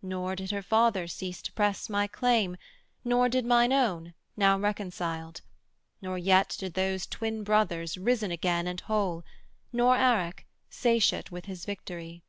Nor did her father cease to press my claim, Nor did mine own, now reconciled; nor yet Did those twin brothers, risen again and whole; Nor Arac, satiate with his victory.